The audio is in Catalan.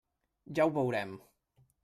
Ja ho veurem!